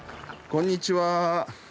こんにちは。